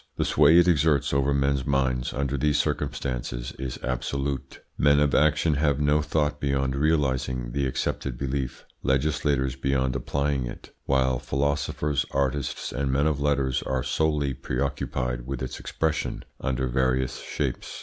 The sway it exerts over men's minds under these circumstances is absolute. Men of action have no thought beyond realising the accepted belief, legislators beyond applying it, while philosophers, artists, and men of letters are solely preoccupied with its expression under various shapes.